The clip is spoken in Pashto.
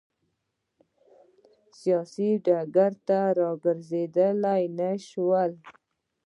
سیاسي ډګر ته راګرځېدای نه شول.